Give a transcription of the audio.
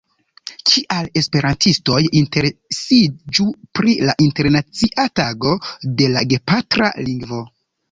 Kial esperantistoj interesiĝu pri la Internacia Tago de la Gepatra Lingvo?